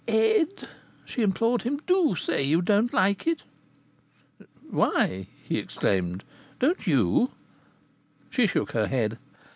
Ed!" she implored him. "Do say you don't like it!" "Why!" he exclaimed. "Don't you?" She shook her head.